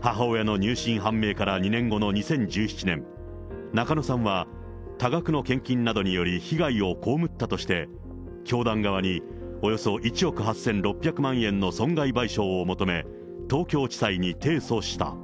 母親の入信判明から２年後の２０１７年、中野さんは、多額の献金などにより被害を被ったとして、教団側におよそ１億８６００万円の損害賠償を求め、東京地裁に提訴した。